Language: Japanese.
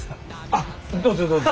あっどうぞどうぞ。